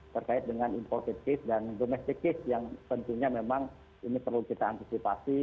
terkait dengan imported case dan domestic case yang tentunya memang ini perlu kita antisipasi